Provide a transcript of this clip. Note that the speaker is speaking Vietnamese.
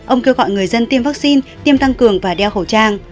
ông kêu gọi người dân tiêm vaccine tiêm tăng cường và đeo khẩu trang